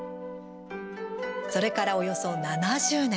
それからおよそ７０年。